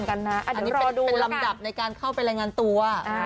อันนี้เป็นลำดับในการเข้าไปรายงานตัว